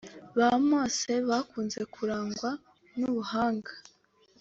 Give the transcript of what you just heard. Ba Moses bakunze kurangwa n’ubuhanga